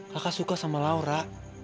kakak suka sama laura